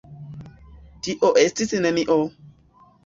Tio estis nenio!